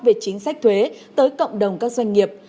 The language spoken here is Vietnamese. về chính sách thuế tới cộng đồng các doanh nghiệp